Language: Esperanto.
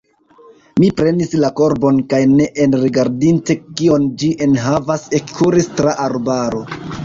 Mi prenis la korbon kaj ne enrigardinte, kion ĝi enhavas, ekkuris tra arbaro.